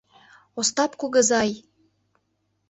Остап кугызай!